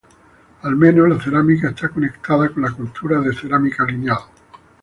Al menos, la cerámica está conectada con la cultura de Cerámica lineal.